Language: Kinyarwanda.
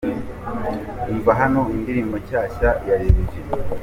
Umva hano indirimbo nsha ya Lil G .